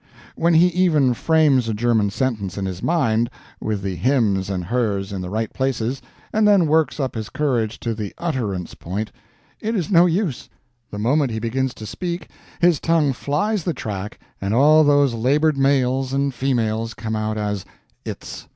When he even frames a German sentence in his mind, with the hims and hers in the right places, and then works up his courage to the utterance point, it is no use the moment he begins to speak his tongue flies the track and all those labored males and females come out as "its."